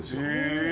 へえ。